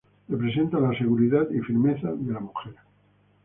Representa a la seguridad y firmeza de la mujer.